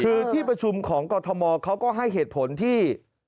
คือที่ประชุมของกรทมเขาก็ให้เหตุผลที่